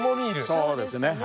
そうですね。